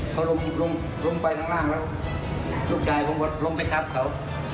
พอล้มลงไปทั้งล่างแล้วลูกชายผมก็ล้มไปทับเขา